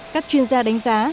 các chuyên gia đánh giá